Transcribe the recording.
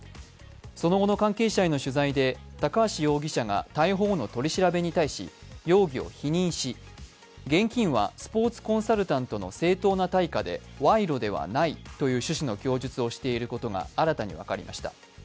その後の関係者への取材で高橋容疑者が逮捕後の取り調べに対し容疑を否認し、現金はスポーツコンサルタントの正当な対価で賄賂ではないという趣旨の供述をしていることが新たに分かりました。